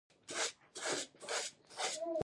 افغانستان په ټوله نړۍ کې د قومونه لپاره خورا مشهور دی.